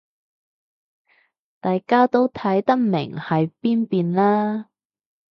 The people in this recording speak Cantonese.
大家都睇得明係邊間啦